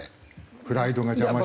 プライドが邪魔して。